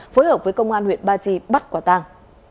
phối hợp với công an huyện ba tri bắt quả tăng